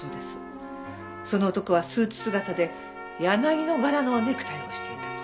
その男はスーツ姿で柳の柄のネクタイをしていたと。